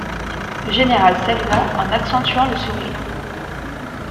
Le général salua en accentuant le sourire.